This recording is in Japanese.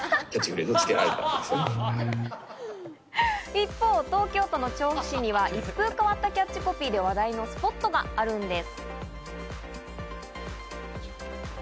一方、東京都の調布市には一風変わったキャッチコピーで話題のスポットがあるんです。